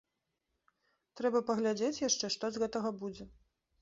Трэба паглядзець яшчэ, што з гэтага будзе.